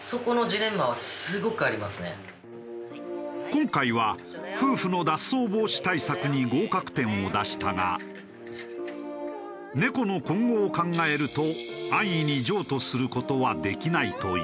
今回は夫婦の脱走防止対策に合格点を出したが猫の今後を考えると安易に譲渡する事はできないという。